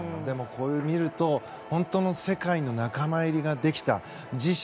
これを見ると本当の世界の仲間入りができた。